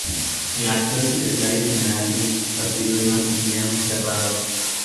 El actual Secretario General del partido es Maximiliano Ferraro.